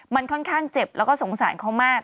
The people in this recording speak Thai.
มันค่อนข้างเจ็บแล้วก็สงสารเขามาก